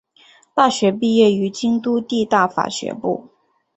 大学毕业于京都帝大法学部。